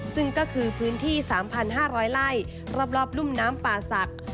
ซึ่งก็คือพื้นที่๓๕๐๐ไร่รอบรุ่มน้ำป่าศักดิ์